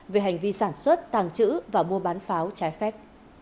về hành vi sản xuất tàng trữ và mua bán pháo trái phép